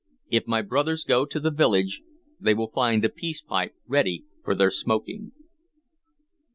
If my brothers go to the village, they will find the peace pipe ready for their smoking."